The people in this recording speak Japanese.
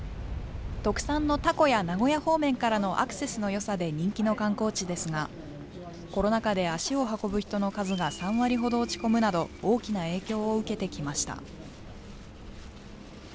特産のタコや名古屋方面からのアクセスのよさで人気の観光地ですが、コロナ禍で足を運ぶ人の数が３割ほど落ち込むなど、大きな影響を受けてきました。